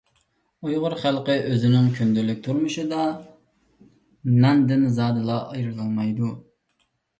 ئۇيغۇر خەلقى ئۆزىنىڭ كۈندىلىك تۇرمۇشىدا ناندىن زادىلا ئايرىلالمايدۇ.